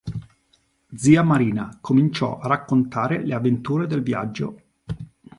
Zia Marina cominciò a raccontare le avventure del viaggio.